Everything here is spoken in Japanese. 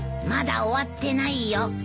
まだ終わってないよ。